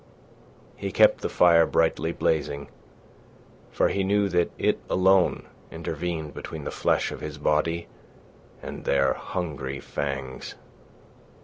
He kept the fire brightly blazing, for he knew that it alone intervened between the flesh of his body and their hungry fangs.